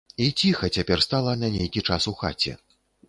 І ціха цяпер стала на нейкі час у хаце.